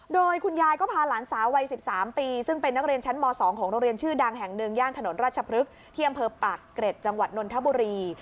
โดยคุณยายก็พาหลานสาววัย๑๓ปีซึ่งเป็นนักเรียนชั้นม๒ของโรงเรียนชื่อดังแห่งหนึ่งย่านถนนราชพฤกษ์ที่อำเภอปากเกร็ดจังหวัดนนทบุรี